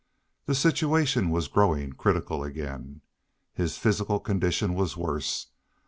The situation was growing critical again. His physical condition was worse.